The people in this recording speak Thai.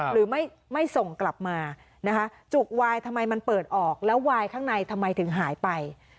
หรือไม่ส่งกลับมานะคะจุกวายทำไมมันเปิดออกแล้ววายข้างในทำไมถึงหายไป